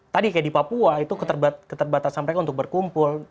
tadi kayak di papua itu keterbatasan mereka untuk berkumpul